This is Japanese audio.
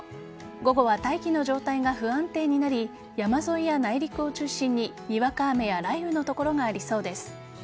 午後は大気の状態が不安定になり山沿いや内陸を中心ににわか雨や雷雨の所がありそうです。